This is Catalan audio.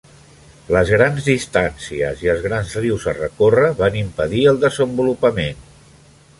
Les grans distàncies i els grans rius a recórrer van impedir el desenvolupament.